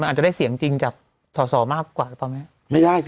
มันอาจจะได้เสียงจริงจากสอมากกว่าหรือเปล่า